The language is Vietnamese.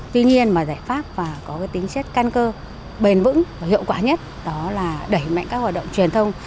tuy nhiên mà giải pháp và có tính chất căn cơ bền vững và hiệu quả nhất đó là đẩy mạnh các hoạt động truyền thông